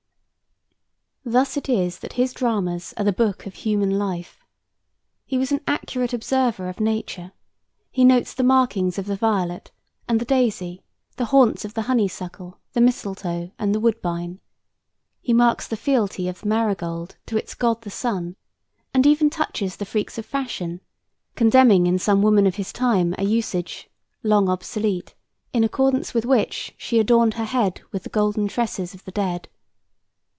Thus it is that his dramas are the book of human life. He was an accurate observer of Nature: he notes the markings of the violet and the daisy; the haunts of the honeysuckle, the mistletoe, and the woodbine. He marks the fealty of the marigold to its god the sun, and even touches the freaks of fashion, condemning in some woman of his time an usage, long obsolete, in accordance with which she adorned her head with "the golden tresses of the dead."